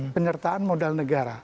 penyertaan modal negara